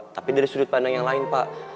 tapi dari sudut pandang yang lain pak